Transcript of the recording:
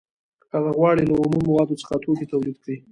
هغه غواړي له اومو موادو څخه توکي تولید کړي